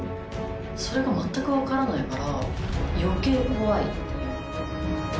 それが全く分からないから余計怖いっていう。